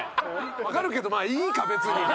わかるけどまあいいか別に。